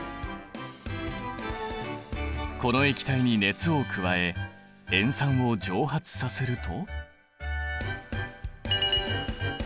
この液体に熱を加え塩酸を蒸発させると。